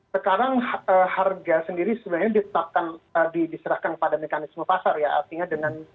sekarang harga sendiri sebenarnya ditetapkan diserahkan pada mekanisme pasar ya artinya dengan